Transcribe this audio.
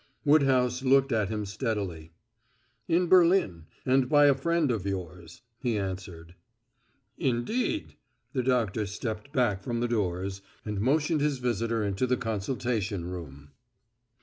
Woodhouse looked at him steadily. "In Berlin and by a friend of yours," he answered. "Indeed?" The doctor stepped back from the doors, and motioned his visitor into the consultation room.